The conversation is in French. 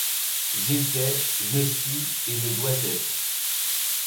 J’étais, je suis et je dois être.